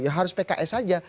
ya harus pks saja